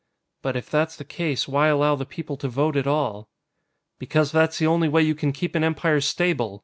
"But, if that's the case, why allow the people to vote at all?" "Because that's the only way you can keep an Empire stable!